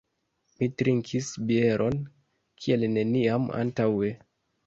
Mi trinkis bieron kiel neniam antaŭe.